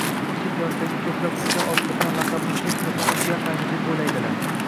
Kichik yoshdagi ko‘plab qizlar “orttirgan laqabim hech qachon o‘zgarmaydi”, deb o‘ylaydilar.